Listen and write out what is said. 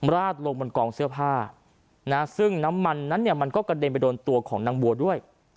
ราดลงบนกองเสื้อผ้านะซึ่งน้ำมันนั้นเนี่ยมันก็กระเด็นไปโดนตัวของนางบัวด้วย